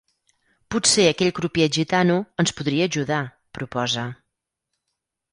Potser aquell crupier gitano ens podria ajudar —proposa.